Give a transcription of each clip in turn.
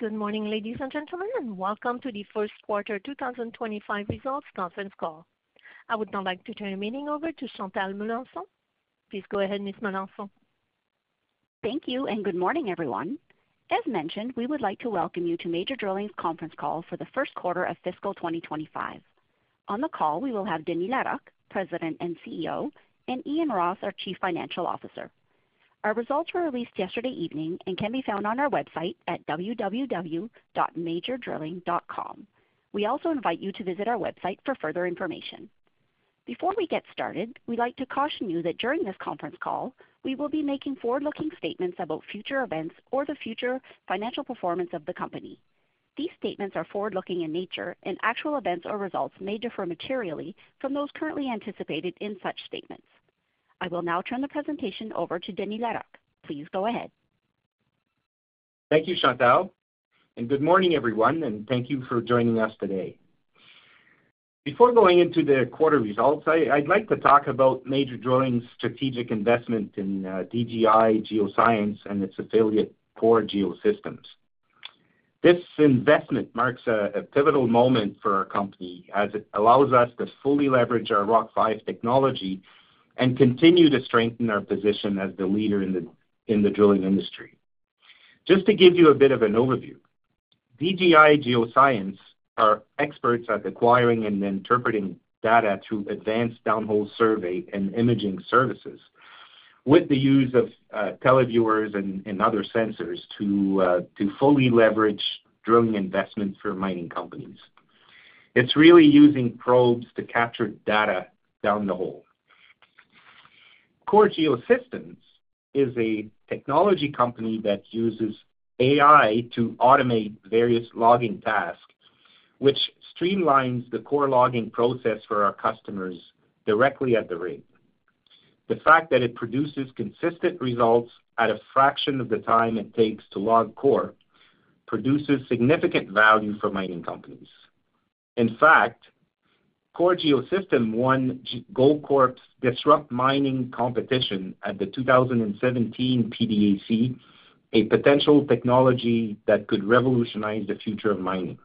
Good morning, ladies and gentlemen, and welcome to the First Quarter 2025 Results Conference Call. I would now like to turn the meeting over to Chantal Melanson. Please go ahead, Ms. Melanson. Thank you, and good morning, everyone. As mentioned, we would like to welcome you to Major Drilling's conference call for the first quarter of fiscal 2025. On the call, we will have Denis Larocque, President and CEO, and Ian Ross, our Chief Financial Officer. Our results were released yesterday evening and can be found on our website at www.majordrilling.com. We also invite you to visit our website for further information. Before we get started, we'd like to caution you that during this conference call, we will be making forward-looking statements about future events or the future financial performance of the company. These statements are forward-looking in nature, and actual events or results may differ materially from those currently anticipated in such statements. I will now turn the presentation over to Denis Larocque. Please go ahead. Thank you, Chantal, and good morning, everyone, and thank you for joining us today. Before going into the quarter results, I'd like to talk about Major Drilling's strategic investment in DGI Geoscience and its affiliate, Core Geosystems. This investment marks a pivotal moment for our company as it allows us to fully leverage our Rock5 technology and continue to strengthen our position as the leader in the drilling industry. Just to give you a bit of an overview, DGI Geoscience are experts at acquiring and interpreting data through advanced downhole survey and imaging services, with the use of televiewers and other sensors to fully leverage drilling investments for mining companies. It's really using probes to capture data down the hole. Core Geosystems is a technology company that uses AI to automate various logging tasks, which streamlines the core logging process for our customers directly at the rig. The fact that it produces consistent results at a fraction of the time it takes to log core, produces significant value for mining companies. In fact, Core Geosystems won Goldcorp's Disrupt Mining competition at the 2017 PDAC, a potential technology that could revolutionize the future of mining.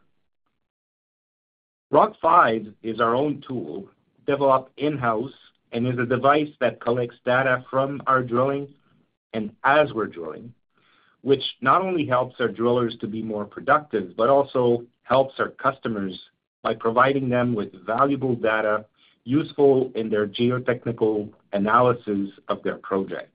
Rock5 is our own tool, developed in-house, and is a device that collects data from our drilling and as we're drilling, which not only helps our drillers to be more productive, but also helps our customers by providing them with valuable data useful in their geotechnical analysis of their project.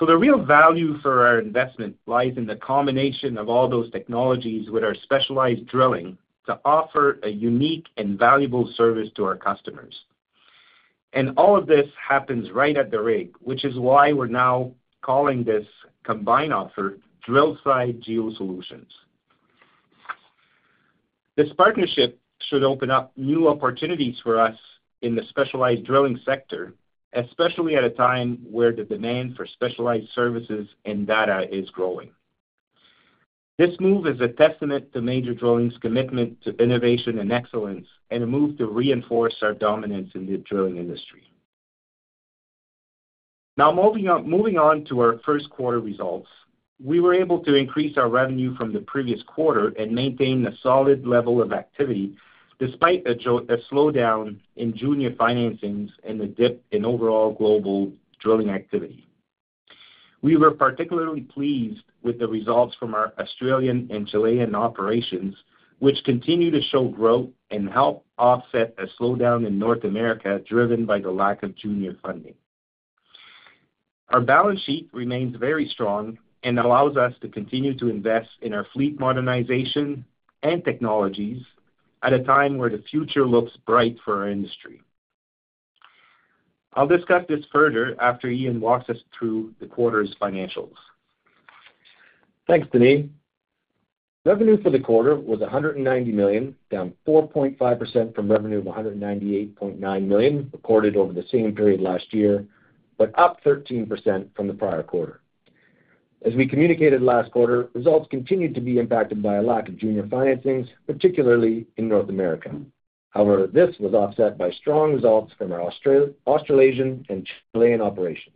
The real value for our investment lies in the combination of all those technologies with our specialized drilling to offer a unique and valuable service to our customers. All of this happens right at the rig, which is why we're now calling this combined offer Drillside Geo Solutions. This partnership should open up new opportunities for us in the specialized drilling sector, especially at a time where the demand for specialized services and data is growing. This move is a testament to Major Drilling's commitment to innovation and excellence, and a move to reinforce our dominance in the drilling industry. Now, moving on, moving on to our first quarter results. We were able to increase our revenue from the previous quarter and maintain a solid level of activity, despite a slowdown in junior financings and a dip in overall global drilling activity. We were particularly pleased with the results from our Australian and Chilean operations, which continue to show growth and help offset a slowdown in North America, driven by the lack of junior funding. Our balance sheet remains very strong and allows us to continue to invest in our fleet modernization and technologies at a time where the future looks bright for our industry. I'll discuss this further after Ian walks us through the quarter's financials. Thanks, Denis. Revenue for the quarter was 190 million, down 4.5% from revenue of 198.9 million, recorded over the same period last year, but up 13% from the prior quarter. As we communicated last quarter, results continued to be impacted by a lack of junior financings, particularly in North America. However, this was offset by strong results from our Australasian and Chilean operations.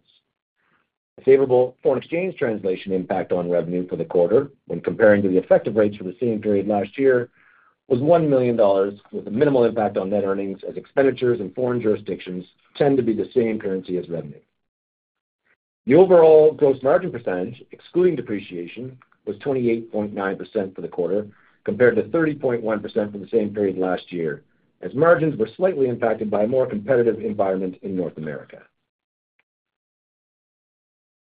Favorable foreign exchange translation impact on revenue for the quarter when comparing to the effective rates for the same period last year was $1 million, with a minimal impact on net earnings, as expenditures in foreign jurisdictions tend to be the same currency as revenue. The overall gross margin percentage, excluding depreciation, was 28.9% for the quarter, compared to 30.1% for the same period last year, as margins were slightly impacted by a more competitive environment in North America.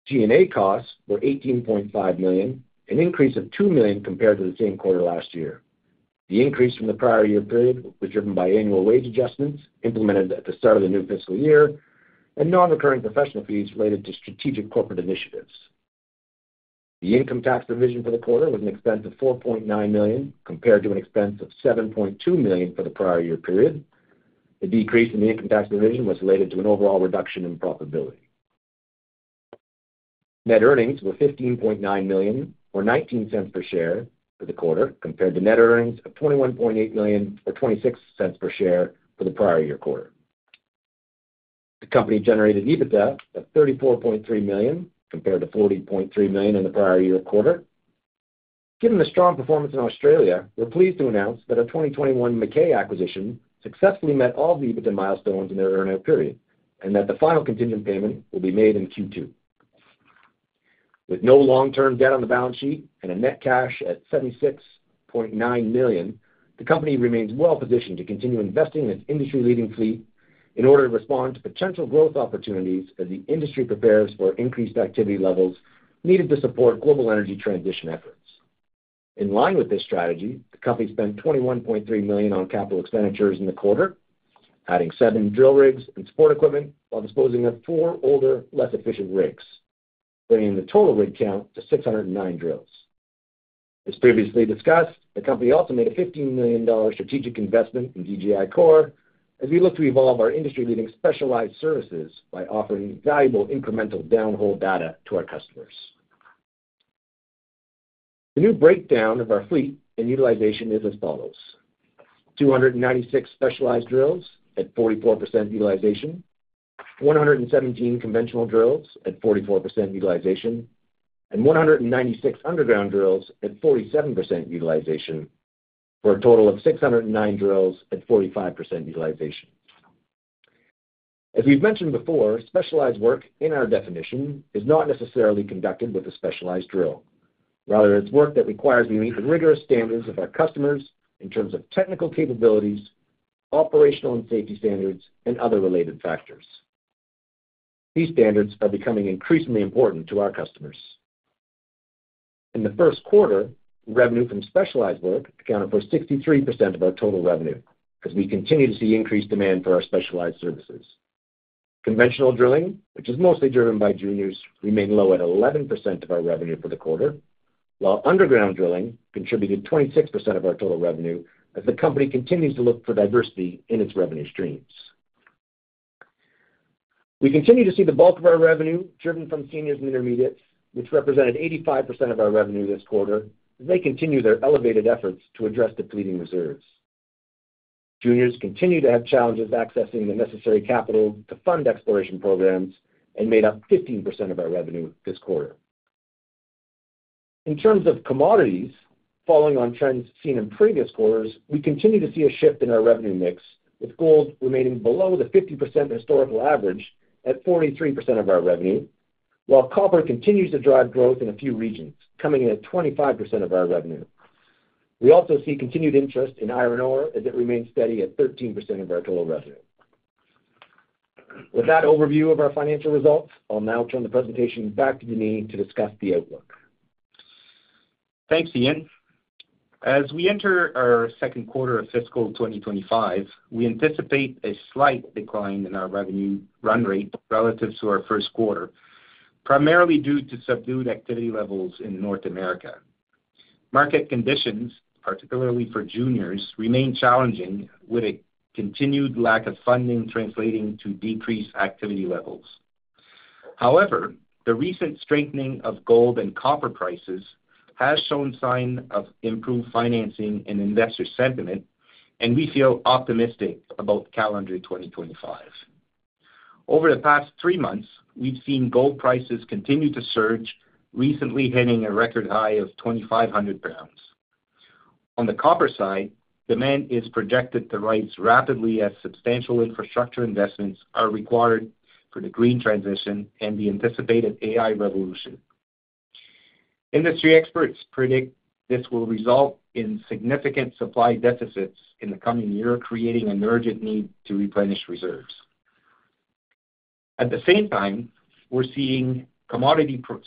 G&A costs were 18.5 million, an increase of 2 million compared to the same quarter last year. The increase from the prior year period was driven by annual wage adjustments implemented at the start of the new fiscal year and non-recurring professional fees related to strategic corporate initiatives. The income tax provision for the quarter was an expense of 4.9 million, compared to an expense of 7.2 million for the prior year period. The decrease in the income tax provision was related to an overall reduction in profitability. Net earnings were 15.9 million, or 0.19 per share for the quarter, compared to net earnings of 21.8 million or 0.26 per share for the prior year quarter. The company generated EBITDA of 34.3 million, compared to 40.3 million in the prior year quarter. Given the strong performance in Australia, we're pleased to announce that our 2021 Mackay acquisition successfully met all the EBITDA milestones in their earn-out period, and that the final contingent payment will be made in Q2. With no long-term debt on the balance sheet and a net cash at 76.9 million, the company remains well positioned to continue investing in its industry-leading fleet in order to respond to potential growth opportunities as the industry prepares for increased activity levels needed to support global energy transition efforts. In line with this strategy, the company spent 21.3 million on capital expenditures in the quarter, adding seven drill rigs and support equipment, while disposing of four older, less efficient rigs, bringing the total rig count to 609 drills. As previously discussed, the company also made a $15 million strategic investment in DGI Core as we look to evolve our industry-leading specialized services by offering valuable incremental downhole data to our customers. The new breakdown of our fleet and utilization is as follows: 296 specialized drills at 44% utilization, 117 conventional drills at 44% utilization, and 196 underground drills at 47% utilization, for a total of 609 drills at 45% utilization. As we've mentioned before, specialized work, in our definition, is not necessarily conducted with a specialized drill. Rather, it's work that requires we meet the rigorous standards of our customers in terms of technical capabilities, operational and safety standards, and other related factors. These standards are becoming increasingly important to our customers. In the first quarter, revenue from specialized work accounted for 63% of our total revenue, as we continue to see increased demand for our specialized services. Conventional drilling, which is mostly driven by juniors, remained low at 11% of our revenue for the quarter, while underground drilling contributed 26% of our total revenue, as the company continues to look for diversity in its revenue streams. We continue to see the bulk of our revenue driven from seniors and intermediates, which represented 85% of our total revenue this quarter, as they continue their elevated efforts to address depleting reserves. Juniors continue to have challenges accessing the necessary capital to fund exploration programs and made up 15% of our revenue this quarter. In terms of commodities, following on trends seen in previous quarters, we continue to see a shift in our revenue mix, with gold remaining below the 50% historical average at 43% of our revenue, while copper continues to drive growth in a few regions, coming in at 25% of our revenue. We also see continued interest in iron ore as it remains steady at 13% of our total revenue. With that overview of our financial results, I'll now turn the presentation back to Denis to discuss the outlook. Thanks, Ian. As we enter our second quarter of fiscal 2025, we anticipate a slight decline in our revenue run rate relative to our first quarter, primarily due to subdued activity levels in North America. Market conditions, particularly for juniors, remain challenging, with a continued lack of funding translating to decreased activity levels. However, the recent strengthening of gold and copper prices has shown signs of improved financing and investor sentiment, and we feel optimistic about calendar 2025. Over the past three months, we've seen gold prices continue to surge, recently hitting a record high of $2,500. On the copper side, demand is projected to rise rapidly as substantial infrastructure investments are required for the green transition and the anticipated AI revolution. Industry experts predict this will result in significant supply deficits in the coming year, creating an urgent need to replenish reserves. At the same time, we're seeing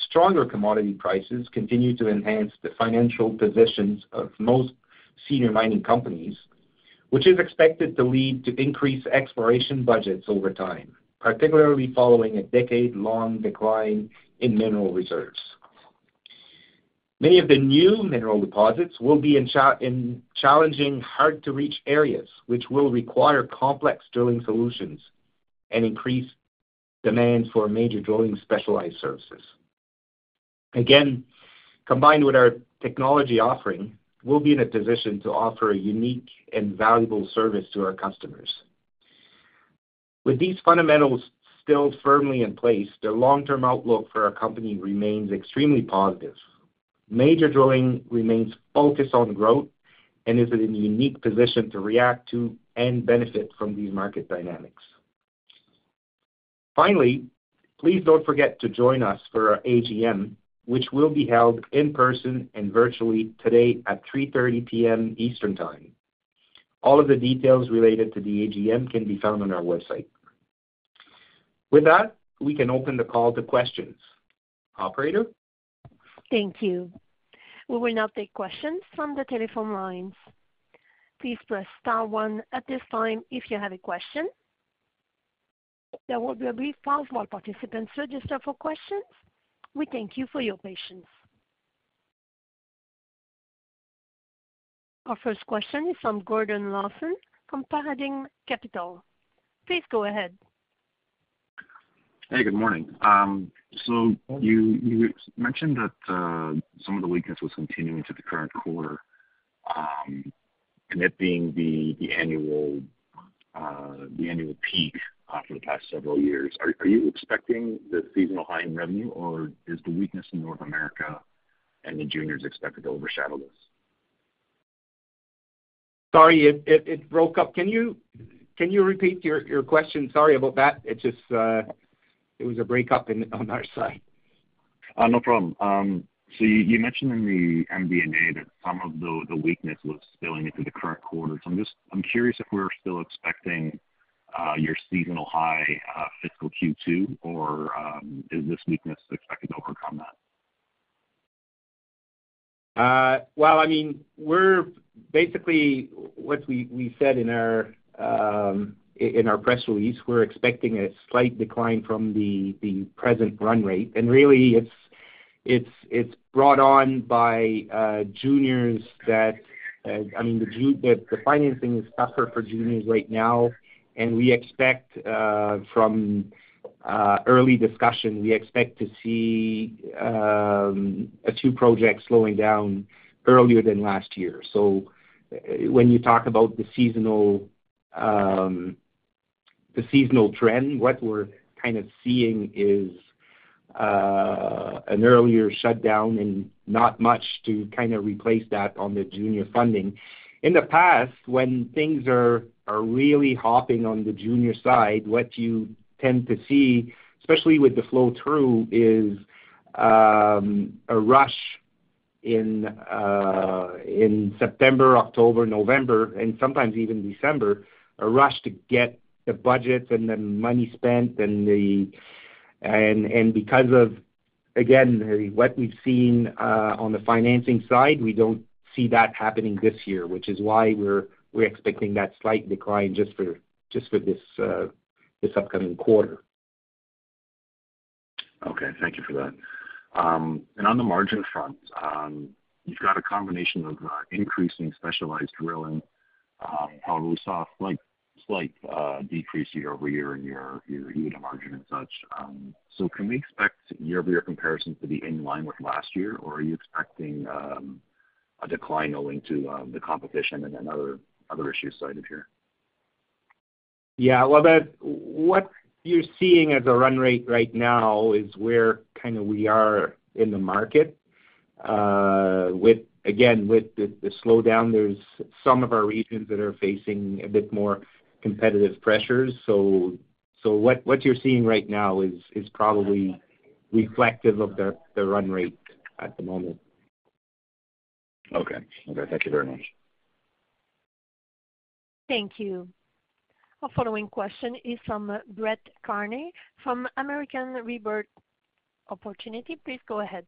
stronger commodity prices continue to enhance the financial positions of most senior mining companies, which is expected to lead to increased exploration budgets over time, particularly following a decade-long decline in mineral reserves. Many of the new mineral deposits will be in challenging, hard-to-reach areas, which will require complex drilling solutions and increase demand for Major Drilling specialized services. Again, combined with our technology offering, we'll be in a position to offer a unique and valuable service to our customers. With these fundamentals still firmly in place, the long-term outlook for our company remains extremely positive. Major Drilling remains focused on growth and is in a unique position to react to and benefit from these market dynamics. Finally, please don't forget to join us for our AGM, which will be held in person and virtually today at 3:30 P.M. Eastern Time. All of the details related to the AGM can be found on our website. With that, we can open the call to questions. Operator? Thank you. We will now take questions from the telephone lines. Please press star one at this time if you have a question. There will be a brief pause while participants register for questions. We thank you for your patience. Our first question is from Gordon Lawson from Paradigm Capital. Please go ahead. Hey, good morning. So you mentioned that some of the weakness was continuing to the current quarter, and it being the annual peak for the past several years. Are you expecting the seasonal high in revenue, or is the weakness in North America and the juniors expected to overshadow this? Sorry, it broke up. Can you repeat your question? Sorry about that. It was just a breakup on our side. No problem. So you mentioned in the MD&A that some of the weakness was spilling into the current quarter. So I'm just curious if we're still expecting your seasonal high, fiscal Q2, or is this weakness expected to overcome that? Well, I mean, we're basically what we said in our press release. We're expecting a slight decline from the present run rate. Really, it's brought on by juniors. I mean, the financing is tougher for juniors right now. We expect, from early discussion, we expect to see two projects slowing down earlier than last year. So when you talk about the seasonal trend, what we're kind of seeing is an earlier shutdown and not much to kind of replace that on the junior funding. In the past, when things are really hopping on the junior side, what you tend to see, especially with the flow-through, is a rush in September, October, November, and sometimes even December, a rush to get the budgets and the money spent, and because of, again, what we've seen on the financing side, we don't see that happening this year, which is why we're expecting that slight decline just for this upcoming quarter. Okay, thank you for that. And on the margin front, you've got a combination of increasing specialized drilling. However, we saw a slight decrease year over year in your EBITDA margin and such. So can we expect year-over-year comparison to be in line with last year? Or are you expecting a decline owing to the competition and then other issues aside here? Yeah, well, what you're seeing as a run rate right now is where kind of we are in the market. With, again, the slowdown, there's some of our regions that are facing a bit more competitive pressures. So what you're seeing right now is probably reflective of the run rate at the moment. Okay. Okay, thank you very much. Thank you. Our following question is from Brett Kearney from American Rebirth Opportunity. Please go ahead.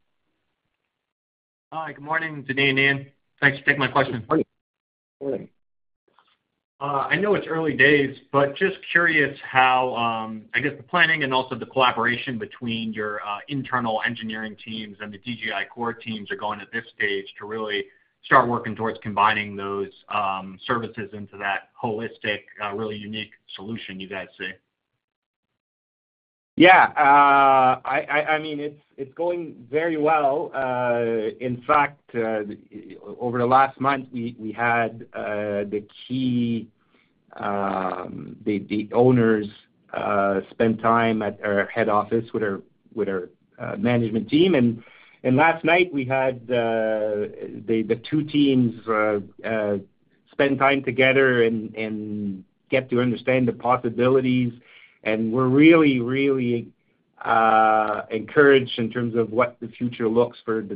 Hi, good morning, Denis and Ian. Thanks for taking my question. Good morning. I know it's early days, but just curious how, I guess, the planning and also the collaboration between your internal engineering teams and the DGI Core teams are going at this stage to really start working towards combining those services into that holistic, really unique solution you guys see. Yeah. I mean, it's going very well. In fact, over the last month, we had the key owners spend time at our head office with our management team. And last night, we had the two teams spend time together and get to understand the possibilities. And we're really encouraged in terms of what the future looks for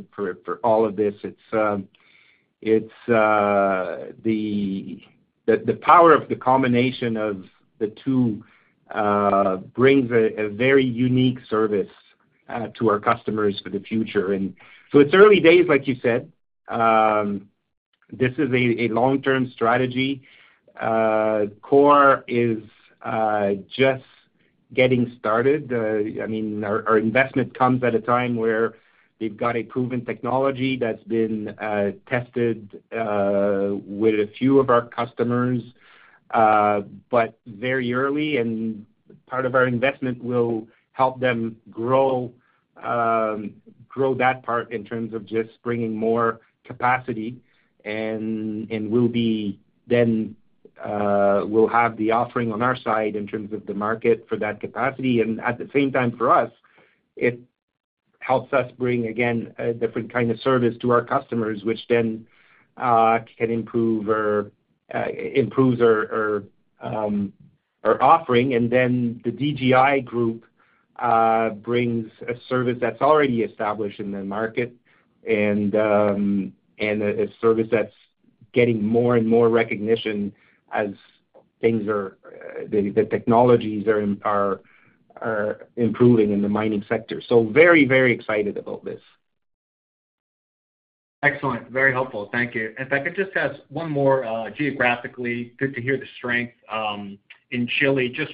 all of this. It's the power of the combination of the two brings a very unique service to our customers for the future. And so it's early days, like you said. This is a long-term strategy. Core is just getting started. I mean, our investment comes at a time where they've got a proven technology that's been tested with a few of our customers, but very early. And part of our investment will help them grow that part in terms of just bringing more capacity. And we'll be then we'll have the offering on our side in terms of the market for that capacity. And at the same time, for us, it helps us bring, again, a different kind of service to our customers, which then can improve our offering. And then the DGI group brings a service that's already established in the market and a service that's getting more and more recognition as things are, the technologies are improving in the mining sector. So very, very excited about this. Excellent. Very helpful. Thank you. In fact, I just have one more, geographically. Good to hear the strength in Chile, just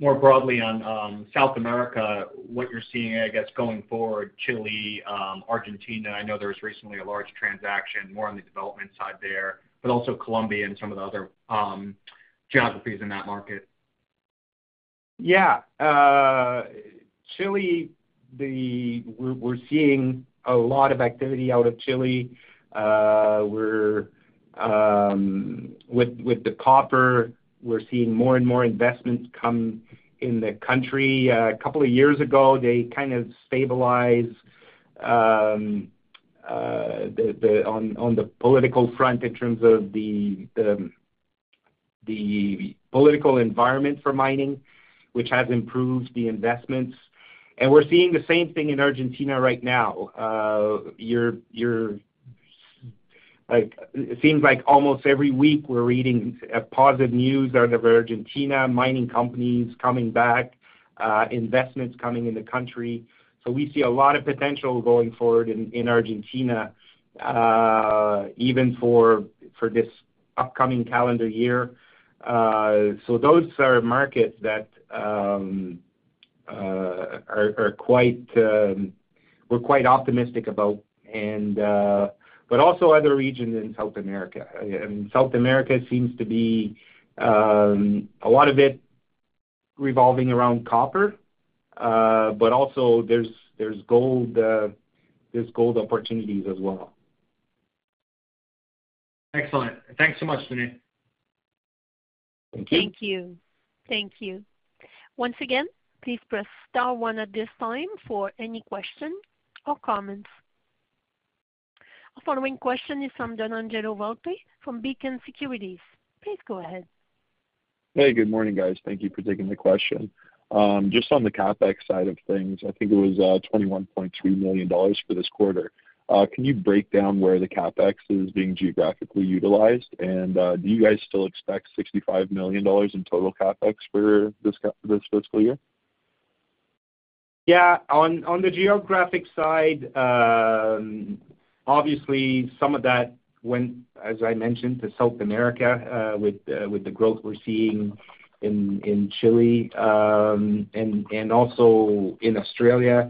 more broadly on South America, what you're seeing, I guess, going forward, Chile, Argentina. I know there was recently a large transaction, more on the development side there, but also Colombia and some of the other geographies in that market. Yeah. Chile, we're seeing a lot of activity out of Chile. We're with the copper, we're seeing more and more investments come in the country. A couple of years ago, they kind of stabilized on the political front in terms of the political environment for mining, which has improved the investments. We're seeing the same thing in Argentina right now. Like, it seems like almost every week we're reading positive news out of Argentina, mining companies coming back, investments coming in the country. We see a lot of potential going forward in Argentina, even for this upcoming calendar year. Those are markets that we're quite optimistic about, but also other regions in South America. In South America seems to be a lot of it revolving around copper, but also there's gold opportunities as well. Excellent. Thanks so much, Denis. Thank you. Thank you. Thank you. Once again, please press star one at this time for any question or comments. Our following question is from Donangelo Volpe from Beacon Securities. Please go ahead. Hey, good morning, guys. Thank you for taking the question. Just on the CapEx side of things, I think it was $21.3 million for this quarter. Can you break down where the CapEx is being geographically utilized? And do you guys still expect $65 million in total CapEx for this fiscal year? Yeah. On the geographic side, obviously, some of that went, as I mentioned, to South America, with the growth we're seeing in Chile, and also in Australia.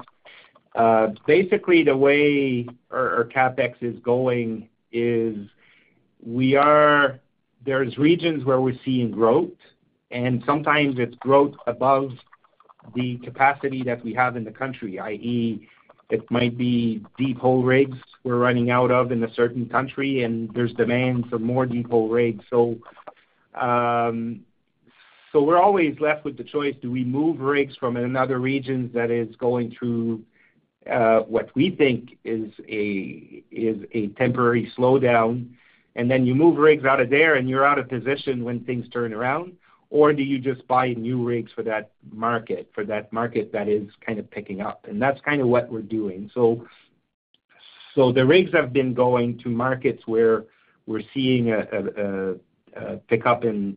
Basically, the way our CapEx is going is. There's regions where we're seeing growth, and sometimes it's growth above the capacity that we have in the country, i.e., it might be deep hole rigs we're running out of in a certain country, and there's demand for more deep hole rigs. So, we're always left with the choice, do we move rigs from another region that is going through what we think is a temporary slowdown, and then you move rigs out of there, and you're out of position when things turn around, or do you just buy new rigs for that market, for that market that is kind of picking up? And that's kind of what we're doing. So, the rigs have been going to markets where we're seeing a pickup in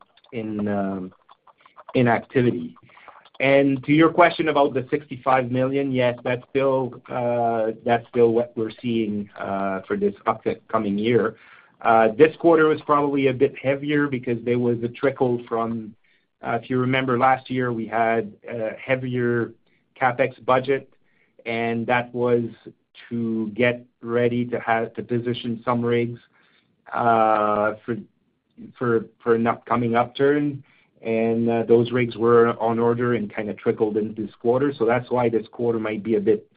activity. And to your question about the $65 million, yes, that's still what we're seeing for this upcoming year. This quarter was probably a bit heavier because there was a trickle from. If you remember last year, we had a heavier CapEx budget, and that was to get ready to have, to position some rigs for an upcoming upturn, and those rigs were on order and kind of trickled into this quarter. So that's why this quarter might be a bit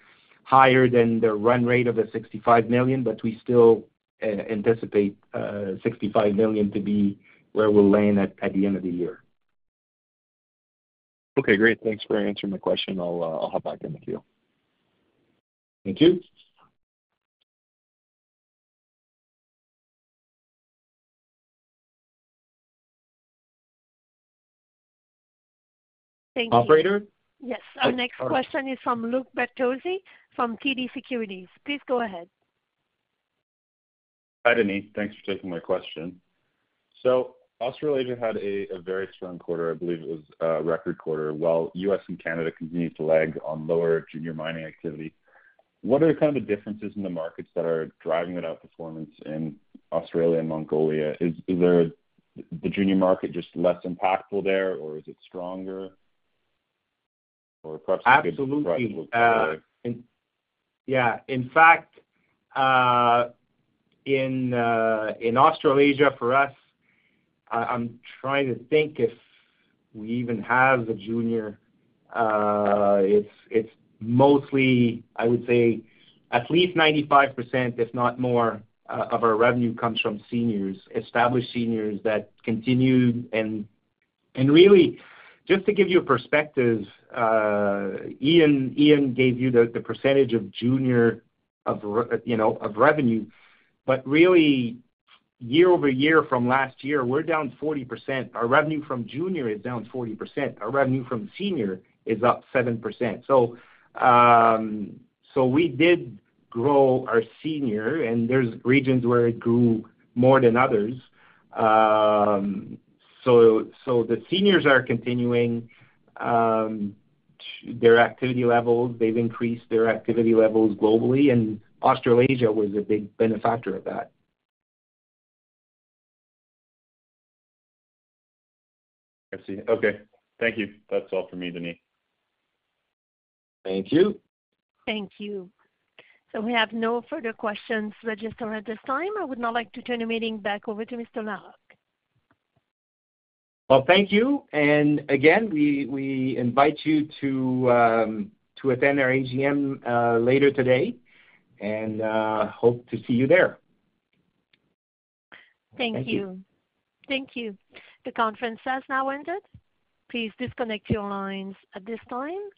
higher than the run rate of the $65 million, but we still anticipate $65 million to be where we'll land at the end of the year. Okay, great. Thanks for answering my question. I'll hop back in the queue. Thank you. Thank you. Operator? Yes. Our next question is from Luke Bertozzi from TD Securities. Please go ahead. Hi, Denis. Thanks for taking my question. So Australasia had a very strong quarter. I believe it was a record quarter, while US and Canada continued to lag on lower junior mining activity. What are the kind of differences in the markets that are driving that outperformance in Australia and Mongolia? Is the junior market just less impactful there, or is it stronger? Or perhaps Absolutely. -uh, in- Yeah. In fact, in Australasia, for us, I'm trying to think if we even have a junior. It's mostly, I would say, at least 95%, if not more, of our revenue comes from seniors, established seniors that continue. And really, just to give you a perspective, Ian gave you the percentage of junior revenue, you know, but really year- over-year from last year, we're down 40%. Our revenue from junior is down 40%. Our revenue from senior is up 7%. So we did grow our senior, and there's regions where it grew more than others. So the seniors are continuing their activity levels. They've increased their activity levels globally, and Australasia was a big benefactor of that. I see. Okay, thank you. That's all for me, Denis. Thank you. Thank you, so we have no further questions registered at this time. I would now like to turn the meeting back over to Mr. Larocque. Thank you. Again, we invite you to attend our AGM later today and hope to see you there. Thank you. Thank you. Thank you. The conference has now ended. Please disconnect your lines at this time.